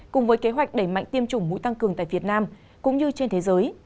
cùng với kế hoạch đẩy mạnh tiêm chủng mũi tăng cường tại việt nam cũng như trên thế giới